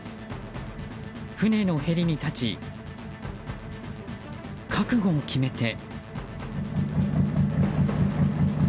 船のへりに立ち、覚悟を決めて。